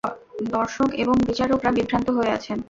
দর্শক এবং বিচারকরা বিভ্রান্ত হয়ে আছেন।